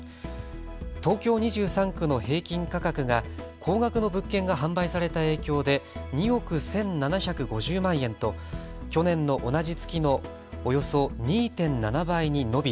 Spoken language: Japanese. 東京２３区の平均価格が高額の物件が販売された影響で２億１７５０万円と去年の同じ月のおよそ２．７倍に伸び